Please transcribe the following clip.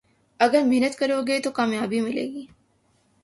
اگر محنت کرو گے تو کامیابی ملے گی